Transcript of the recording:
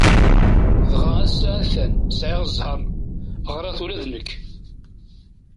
Dɣa ass-a a-t-an, sɛiɣ zzheṛ, ɣriɣ-t ula d nekk.